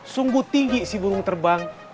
sungguh tinggi si burung terbang